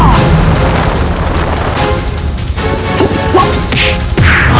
jangan lupa untuk berlangganan